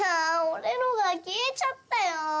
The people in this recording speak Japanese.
俺のが消えちゃったよ」